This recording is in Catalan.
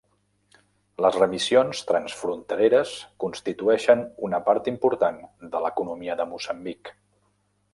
Les remissions transfrontereres constitueixen una part important de l'economia de Moçambic.